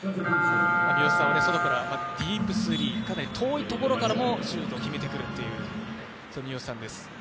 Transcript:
ディープスリー、かなり遠いところからもシュートを決めてくるという三好さんです。